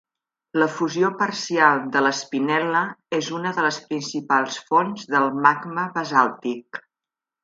La fusió parcial de l'espinel·la és una de les principals fonts del magma basàltic.